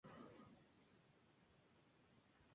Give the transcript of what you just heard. Su tío materno es el impresionista y comediante Kevin Connelly.